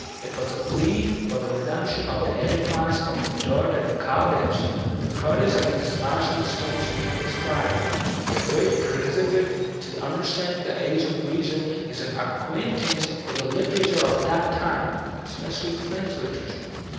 It was the plea for the redemption of the edifice from the dirt and cobwebs, the protest against smashing the stones to kill die spiders. The great prerequisite to the understanding of the ''Age of Reason" is an acquaintance with the lit erature of that time— especially French literature.